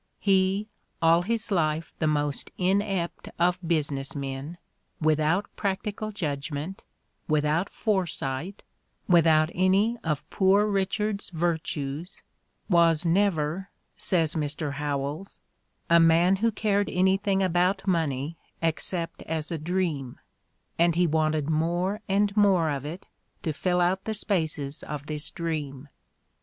He, all his life the most inept of business men, without practical judgment, without foresight, without any of Poor Richard's virtues, was "never," says Mr. Howells, "a man who cared any thing about money except as a dream, and he wanted more and more of it to fill out the spaces of this dream."